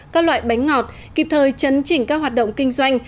các loại bánh ngọt kịp thời chấn chỉnh các hoạt động kinh doanh